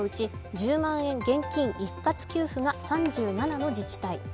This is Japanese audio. １０万円現金一括給付が３７の自治体。